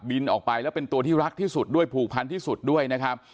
ออกไปแล้วเป็นตัวที่รักที่สุดด้วยผูกพันที่สุดด้วยนะครับ